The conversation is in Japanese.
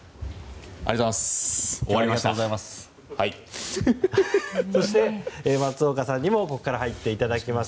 ありがとうございます。